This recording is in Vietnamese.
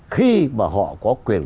khi mà họ có quyền